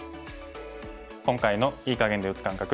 今回の“いい”かげんで打つ感覚